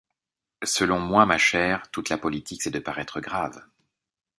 Selon moi, ma chère, toute la politique, c’est de paraître grave.